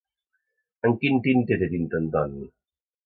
En quin tinter té tinta en Ton?